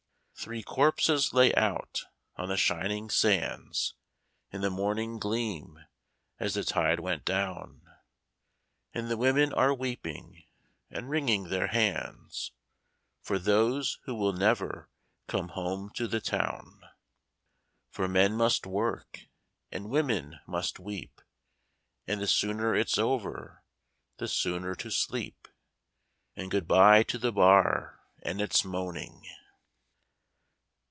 Three corpses lay out on the shining sands In the morning gleam as the tide went down, And the women are weeping and wringing their hands For those who will never come home to the town; For men must work, and women must weep, And the sooner it's over, the sooner to sleep; And good bye to the bar and its moaning.